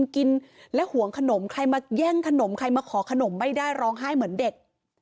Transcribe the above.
กินและห่วงขนมใครมาแย่งขนมใครมาขอขนมไม่ได้ร้องไห้เหมือนเด็ก